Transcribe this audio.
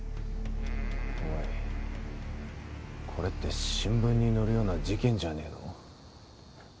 おいこれって新聞に載るような事件じゃねえの？